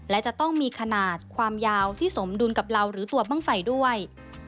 และจะต้องมีขนาดความยาวที่สมดุลกับเราหรือตัวบ้างไฟด้วย